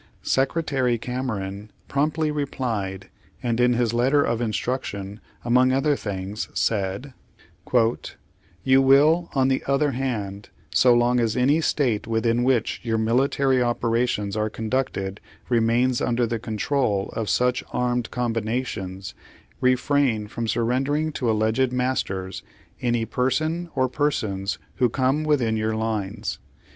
Secretary Cameron prompt Page Sixty Page Sixty one ly replied, and in his letter of instruction, among other things said: "You will, on the other hand, so long as any State within wliich your military operations are conducted remains under the control of such anned combinations, refrain from surrendering to alleged masters any person or per sons who come within your lines.